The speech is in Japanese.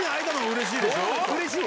うれしい！